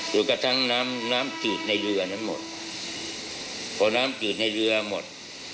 จนกระทั่งน้ำน้ำจืดในเรือนั้นหมดพอน้ำจืดในเรือหมด